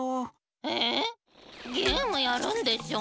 えっゲームやるんでしょ？